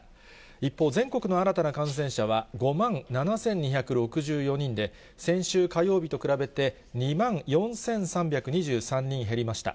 一方、全国の新たな感染者は５万７２６４人で、先週火曜日と比べて２万４３２３人減りました。